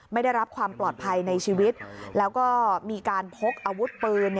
ไม่ได้รับความปลอดภัยในชีวิตแล้วก็มีการพกอาวุธปืน